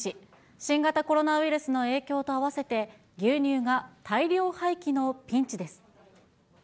新型コロナウイルスの影響と合わせて、牛乳が大量廃棄のピンチです。